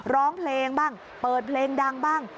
ร้องเพลงบ้างเปิดเพลงดังบ้าง